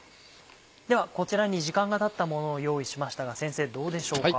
ではこちらに時間がたったものを用意しましたが先生どうでしょうか？